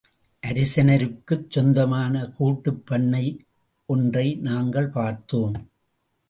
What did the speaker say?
அரசினருக்குச் சொந்தமான கூட்டுப்பண்ணை ஒன்றை நாங்கள் பார்த்தோம்.